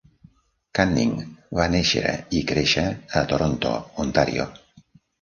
Canning va néixer i créixer a Toronto, Ontario.